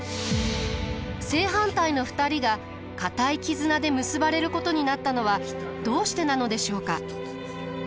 正反対の２人が固い絆で結ばれることになったのはどうしてなのでしょうか？